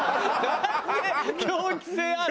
なんで狂気性ある？